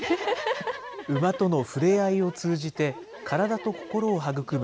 馬との触れ合いを通じて、体と心を育む